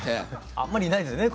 あんまりいないですね